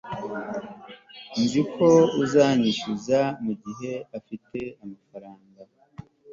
Nzi ko uzanyishura mugihe ufite amafaranga